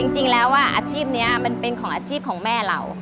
จริงแล้วอาชีพนี้มันเป็นของอาชีพของแม่เรา